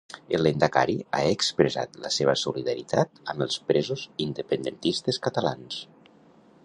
El lehendakari ha expressat la seva solidaritat amb els presos independentistes catalans.